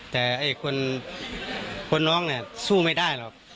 แต่คนน้องเนี่ยสู้ไม่ได้หรอก